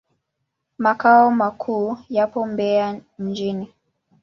Makao makuu yapo Mbeya mjini.